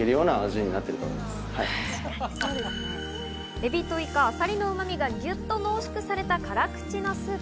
エビとイカ、アサリのうまみがギュッと濃縮された辛口のスープ。